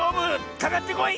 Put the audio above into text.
かかってこい！